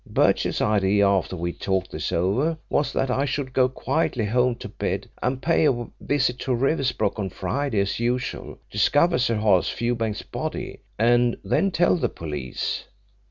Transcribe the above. Birchill's idea, after we'd talked this over, was that I should go quietly home to bed, and pay a visit to Riversbrook on Friday as usual, discover Sir Horace Fewbanks's body, and then tell the police.